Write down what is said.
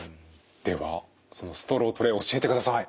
ではそのストロートレ教えてください。